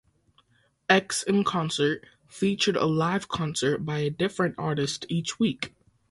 "X-In-Concert" featured a live concert by a different artist each week.